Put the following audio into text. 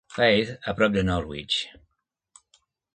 Faith, a prop de Norwich.